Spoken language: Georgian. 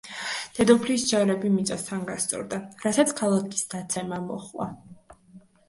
დედოფლის ჯარები მიწასთან გასწორდა, რასაც ქალაქის დაცემა მოჰყვა.